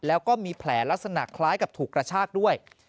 แล้วก็มีแผลลักษณะคล้ายกับถูกกระชากด้วย